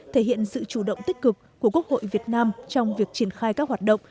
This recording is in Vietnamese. thể hiện sự chủ động tích cực của quốc hội việt nam trong việc triển khai các hoạt động